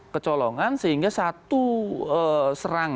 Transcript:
kecolongan sehingga satu serangan bisa dilakukan secara langsung